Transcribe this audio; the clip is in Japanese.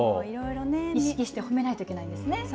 いろいろね、意識して褒めないといけないんですね。